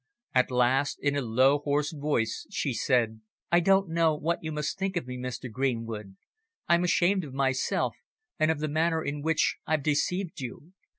At last, in a low, hoarse voice, she said "I don't know what you must think of me, Mr. Greenwood. I'm ashamed of myself, and of the manner in which I've deceived you.